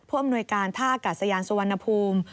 อำนวยการท่าอากาศยานสุวรรณภูมิ